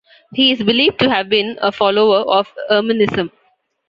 He is believed to have been a follower of Irminism.